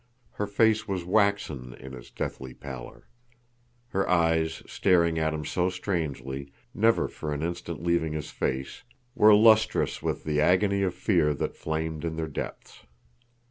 Her face was waxen in its deathly pallor. Her eyes, staring at him so strangely, never for an instant leaving his face, were lustrous with the agony of fear that flamed in their depths.